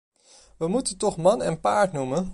We moeten toch man en paard noemen.